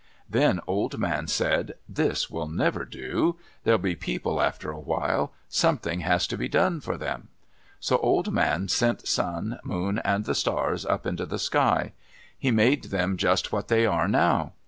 Then Old Man said, "This will never do. There'll be people after a while. Something has to be done for them." So Old Man sent Sun, Moon, and the Stars up into the sky. He made them just what they are now.